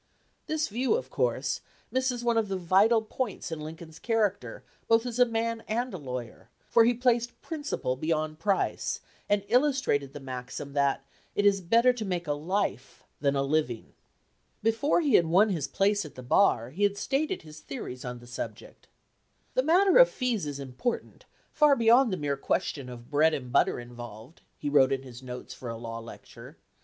This view, of course, misses one of the vital points in Lincoln's character both as a man and a lawyer, for he placed prin ciple beyond price and illustrated the maxim that it is "better to make a life than a living." Before he had won his place at the bar he had stated his theories on the subject. "The matter of fees is important, far beyond the mere question of bread and butter involved," he wrote in his notes for a law lecture.